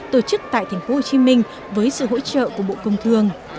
tổ chức tại tp hcm với sự hỗ trợ của bộ công thương